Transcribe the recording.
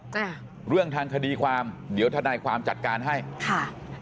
จ้ะเรื่องทางคดีความเดี๋ยวทนายความจัดการให้ค่ะ